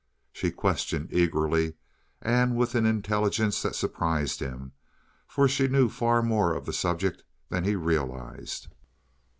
She questioned eagerly and with an intelligence that surprised him, for she knew far more of the subject than he realized.